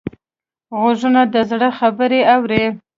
غوږونه د زړه خبرې اوري